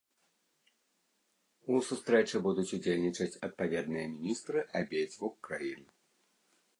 У сустрэчы будуць удзельнічаць адпаведныя міністры абедзвюх краін.